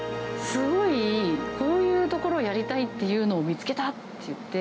すごいいい、こういうところをやりたいっていうのを見つけたって言って。